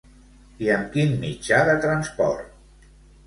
I amb quin mitjà de transport?